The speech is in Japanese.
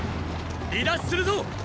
離脱するぞ！